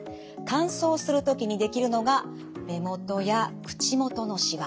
乾燥する時にできるのが目元や口元のしわ。